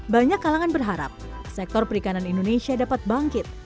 banyak kalangan berharap sektor perikanan indonesia dapat bangkit